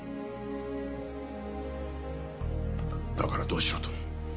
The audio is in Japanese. だからどうしろと？